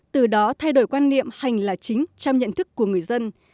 từ đó thay đổi quan niệm hành là chính trong nhận thức của người dân